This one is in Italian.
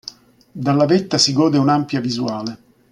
Dalla vetta si gode di un'ampia visuale.